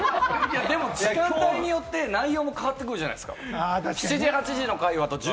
でも時間帯によって会話も変わってくるじゃないですか。